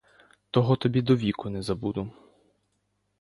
Того тобі довіку не забуду.